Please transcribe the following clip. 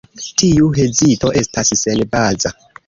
Tiu hezito estas senbaza.